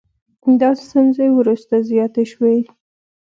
دا ستونزې وروسته زیاتې شوې